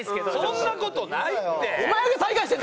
そんな事ないって！